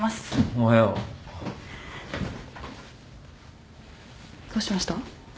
おはよう。どうしました？